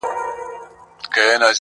کندهار یوازې عینو مېنه نه ده